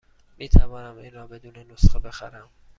می توانم این را بدون نسخه بخرم؟